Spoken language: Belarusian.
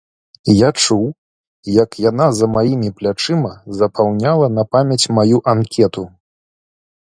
Я чуў, як яна за маімі плячыма запаўняла на памяць маю анкету.